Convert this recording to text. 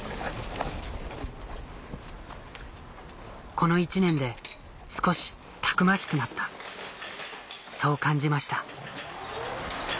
この１年で少したくましくなったそう感じました